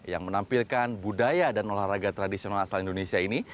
yang menampilkan budaya dan olahraga tradisional asal indonesia ini